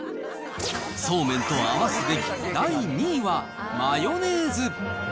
そうめんと合わすべき第２位はマヨネーズ。